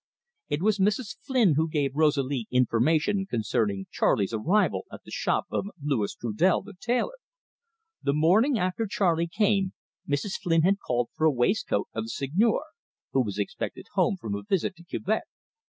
It was Mrs. Flynn who gave Rosalie information concerning Charley's arrival at the shop of Louis Trudel the tailor. The morning after Charley came, Mrs. Flynn had called for a waistcoat of the Seigneur, who was expected home from a visit to Quebec.